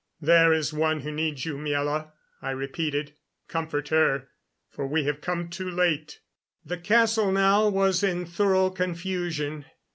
"There is one who needs you, Miela," I repeated. "Comfort her for we have come too late." The castle now was in thorough confusion.